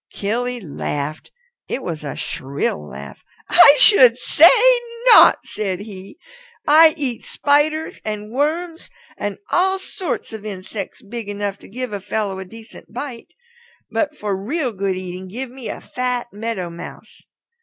Killy laughed. It was a shrill laugh. "I should say not," said he. "I eat spiders and worms and all sorts of insects big enough to give a fellow a decent bite. But for real good eating give me a fat Meadow Mouse.